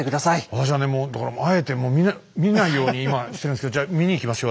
私はねもうあえて見ないように今してるんですけどじゃあ見に行きますよ